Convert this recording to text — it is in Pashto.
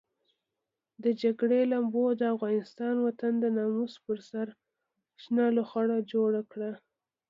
د جګړې لمبو د افغان وطن د ناموس پر سر شنه لوخړه جوړه کړه.